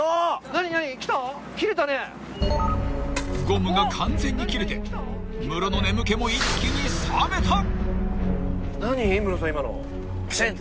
［ゴムが完全に切れてムロの眠気も一気に覚めた］